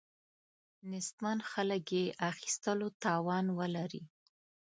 نیستمن خلک یې اخیستلو توان ولري.